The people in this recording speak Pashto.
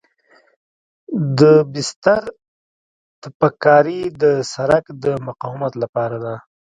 د بستر تپک کاري د سرک د مقاومت لپاره ده